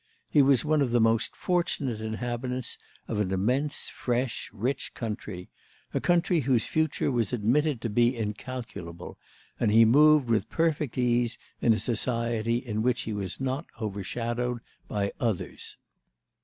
He was one of the most fortunate inhabitants of an immense fresh rich country, a country whose future was admitted to be incalculable, and he moved with perfect ease in a society in which he was not overshadowed by others.